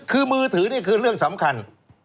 คือมือถือนี่คือเรื่องสำคัญ